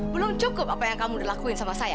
belum cukup apa yang kamu udah lakuin sama saya